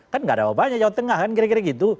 kan gak ada apa banyak jawa tengah kan kira kira gitu